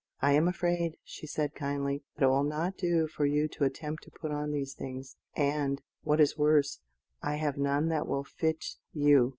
"I am afraid," she said kindly, "it will not do for you to attempt to put on these things; and, what is worse, I have none that will fit you.